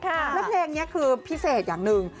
แล้วเพลงนี้คือพิเศษอย่างหนึ่ง